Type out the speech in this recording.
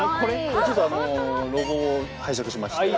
ちょっとあのロゴを拝借しまして。